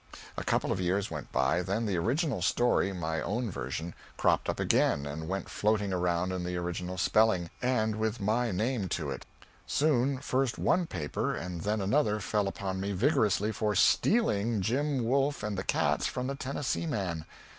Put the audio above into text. A couple of years went by; then the original story my own version cropped up again and went floating around in the spelling, and with my name to it. Soon first one paper and then another fell upon me rigorously for "stealing" Jim Wolf and the Cats from the Tennessee man.